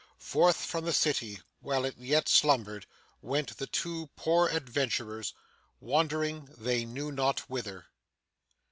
Forth from the city, while it yet slumbered, went the two poor adventurers, wandering they knew not whither.